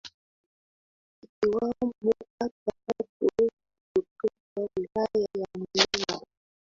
ikiwamo kata tatu kutoka Wilaya ya Muleba